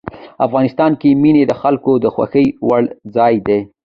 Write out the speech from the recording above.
افغانستان کې منی د خلکو د خوښې وړ ځای دی.